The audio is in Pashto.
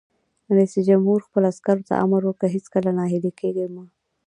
رئیس جمهور خپلو عسکرو ته امر وکړ؛ هیڅکله ناهیلي کیږئ مه!